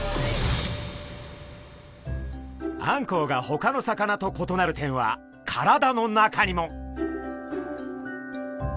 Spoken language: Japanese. あんこうがほかの魚と異なる点は体の中にも。